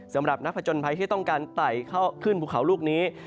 สำหรับนักผจญภัยที่ต้องการไต่ขึ้นภูเขาลูกนี้